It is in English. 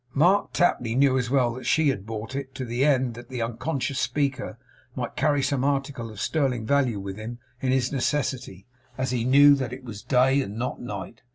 Mark Tapley knew as well that she had bought it, to the end that that unconscious speaker might carry some article of sterling value with him in his necessity; as he knew that it was day, and not night.